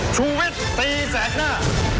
ชุมเวชฯตีสัตว์หน้า